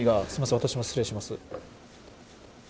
私も失礼します。